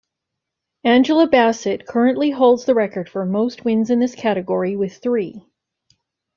Angela Bassett currently holds the record for most wins in this category, with three.